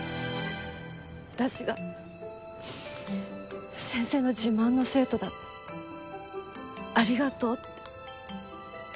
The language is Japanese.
私が先生の自慢の生徒だってありがとうって。